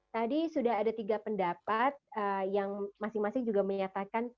tadi sudah ada tiga pendapat yang masing masing juga menyatakan